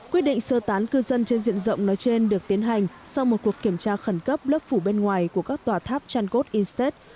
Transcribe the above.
quyết định sơ tán cư dân trên diện rộng nói trên được tiến hành sau một cuộc kiểm tra khẩn cấp lớp phủ bên ngoài của các tòa tháp chankos instat